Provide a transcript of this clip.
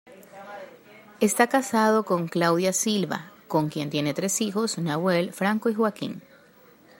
Está casado con Claudia Silva con quien tiene tres hijos, Nahuel, Franco y Joaquín.